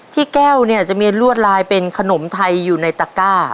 แก้วเนี่ยจะมีลวดลายเป็นขนมไทยอยู่ในตะก้า